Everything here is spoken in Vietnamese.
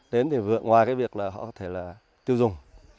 đến thì ngoài việc họ có thể tiêu dùng